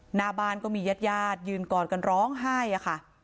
หน้าบ้านก็มีญาติญาติยืนกอดกันร้องไห้อะค่ะ